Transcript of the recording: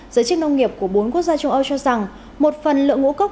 giới chức nông nghiệp của bốn quốc gia châu âu cho rằng một phần lượng ngũ cốc